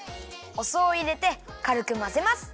お酢をいれてかるくまぜます。